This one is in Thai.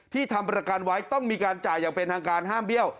ทำประกันไว้ต้องมีการจ่ายอย่างเป็นทางการห้ามเบี้ยว